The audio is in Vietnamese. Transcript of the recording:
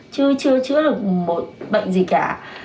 chứ chưa chữa được một bệnh gì cả